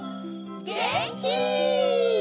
げんき！